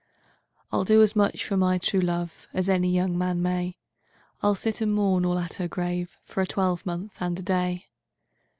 II'I'll do as much for my true loveAs any young man may; I'll sit and mourn all at her graveFor a twelvemonth and a day.